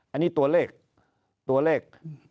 อันนี้ตัวเลขตัวเลข